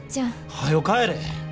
はよ帰れ！